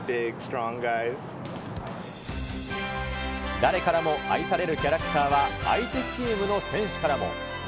誰からも愛されるキャラクターは、相手チームの選手からも。